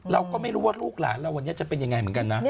เราก็ไม่รู้ว่าลูกหลานเราวันนี้จะเป็นยังไงเหมือนกันนะ